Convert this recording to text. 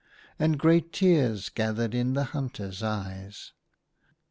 And great tears gathered in the hunter's eyes.